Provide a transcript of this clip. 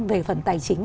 về phần tài chính